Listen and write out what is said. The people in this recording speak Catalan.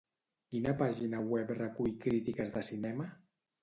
Quina pàgina web recull crítiques de cinema?